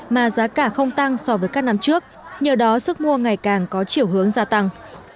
mà giá cả không tăng so với các năm trước nhờ đó sức mua ngày càng có chiều hướng gia tăng